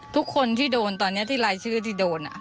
ทุกคนที่โดนตอนนี้ที่รายชื่อที่โดน